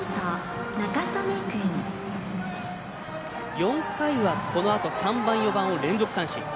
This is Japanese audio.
４回は、このあと３番、４番を連続三振。